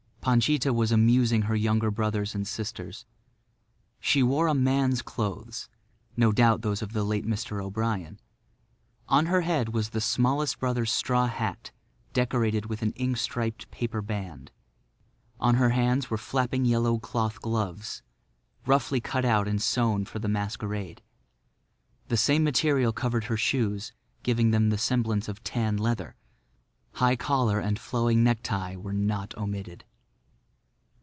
Panchita was amusing her younger brothers and sisters. She wore a man's clothes—no doubt those of the late Mr. O'Brien. On her head was the smallest brother's straw hat decorated with an ink striped paper band. On her hands were flapping yellow cloth gloves, roughly cut out and sewn for the masquerade. The same material covered her shoes, giving them the semblance of tan leather. High collar and flowing necktie were not omitted.